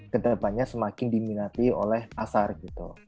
kedepannya semakin diminati oleh pasar gitu